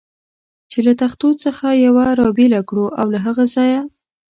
چې له تختو څخه یوه را بېله کړو او له هغه ځایه.